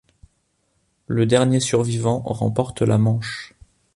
Le dernier survivant remporte la manche.